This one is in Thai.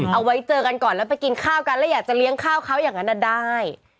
เอาไว้เจอกันก่อนแล้วไปกินข้าวกันแล้วอยากจะเลี้ยงข้าวเขาอย่างนั้นได้